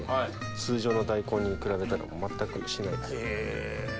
通常の大根に比べたら全く違います。